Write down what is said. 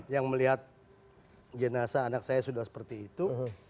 yang melihat jenazah anak saya sudah seperti itu